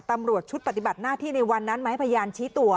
ตำรวจชุดปฏิบัติหน้าที่ในวันนั้นมาให้พยานชี้ตัว